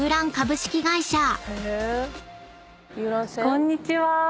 こんにちは。